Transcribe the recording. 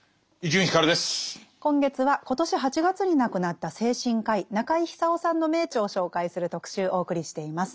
今月は今年８月に亡くなった精神科医中井久夫さんの名著を紹介する特集お送りしています。